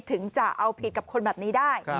ถึงจะเอาผิดกับคนแบบนี้ได้